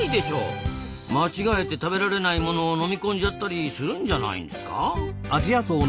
間違えて食べられないものを飲み込んじゃったりするんじゃないんですか？